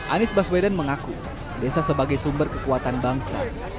anies baswedan mengaku desa sebagai sumber kekuatan bangsa